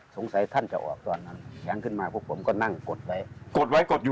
มันจะถึงตาย